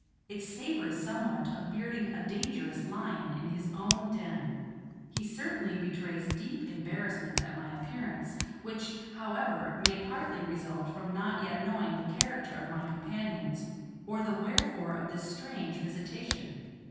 It savors somewhat of bearding a dangerous lion in his own den. He certainly betrays deep embarrassment at my appearance; which, however, may partly result from not yet knowing the character of my companions, or the wherefore of this strange visitation.